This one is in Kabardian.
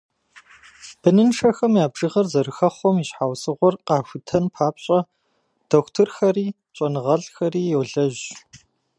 Быныншэхэм я бжыгъэр зэрыхэхъуэм и щхьэусыгъуэр къахутэн папщӏэ дохутырхэри щӏэныгъэлӏхэри йолэжь.